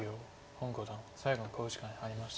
洪五段最後の考慮時間に入りました。